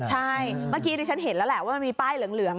ใช่เมื่อกี้ที่ฉันเห็นแล้วแหละว่ามันมีป้ายเหลือง